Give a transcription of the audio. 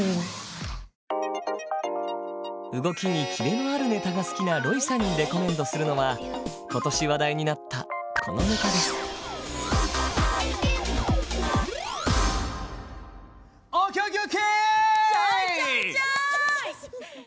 動きにキレのあるネタが好きなロイさんにレコメンドするのは今年話題になったこのネタですＯＫＯＫＯＫ！！ｃｈｏｙｃｈｏｙｃｈｏｙ！